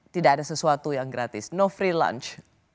tidak ada sesuatu yang gratis no freel lunch